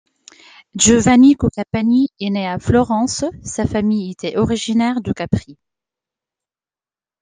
Giovanni Coccapani est né à Florence, sa famille était originaire de Carpi.